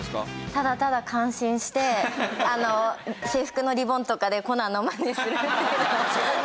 ただただ感心して制服のリボンとかでコナンのまねするっていうのを。